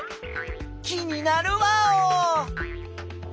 気になるワオ！